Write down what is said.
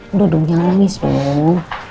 udah dong jangan nangis dong